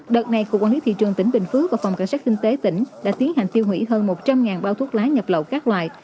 đợt này cục quản lý thị trường tỉnh bình phước và phòng cảnh sát kinh tế tỉnh đã tiến hành tiêu hủy hơn một trăm linh bao thuốc lá nhập lậu các loại